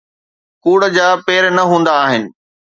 ڪوڙ جا پير نه هوندا آهن.